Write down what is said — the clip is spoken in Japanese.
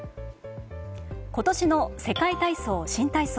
今年の世界体操・新体操。